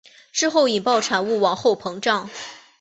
之后引爆产物往后膨胀。